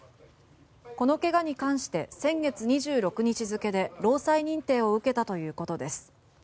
この怪我に関して先月２６日付けで労災認定を受けたということです。